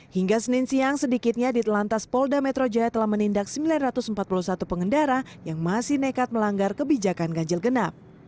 hingga senin siang sedikitnya di telantas polda metro jaya telah menindak sembilan ratus empat puluh satu pengendara yang masih nekat melanggar kebijakan ganjil genap